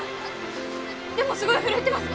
でもすごい震えてます。